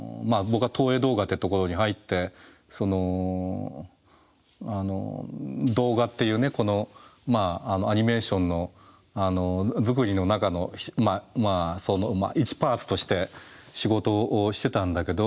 僕は東映動画ってところに入って動画っていうこのアニメーション作りの中の一パーツとして仕事をしてたんだけど。